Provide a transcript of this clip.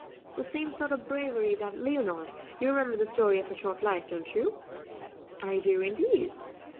The same sort of bravery that Leonard you remember the 'Story of a Short Life,' don't you?" "I do, indeed."